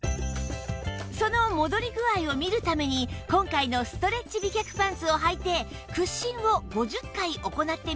その戻り具合を見るために今回のストレッチ美脚パンツをはいて屈伸を５０回行ってみました